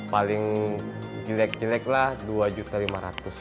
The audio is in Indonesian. paling jelek jelek lah rp dua lima ratus